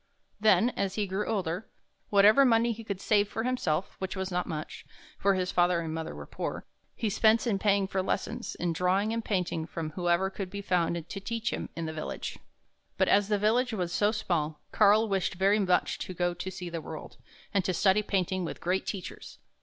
Then, as he grew older, whatever money he could save for himself — which was not much, for his father and mother were poor — he spent in paying for lessons in drawing and painting from whoever could be found to teach him in the village. But as the village was so small, Karl wished very much to go to see the world, and to study painting with great teachers.